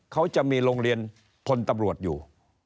เขาจะมีโรงเรียนพลตำรวจอยู่